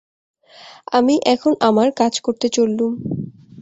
আমি এখন আমার কাজ করতে চললুম।